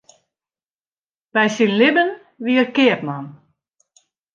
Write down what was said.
By syn libben wie er keapman.